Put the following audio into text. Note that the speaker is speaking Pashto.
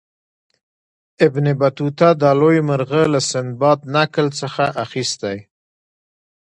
ابن بطوطه دا لوی مرغه له سندباد نکل څخه اخیستی.